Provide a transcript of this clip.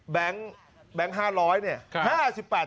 แบงค์๕๐๐เนี่ย